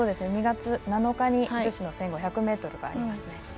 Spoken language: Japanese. ２月７日に女子の１５００がありますね。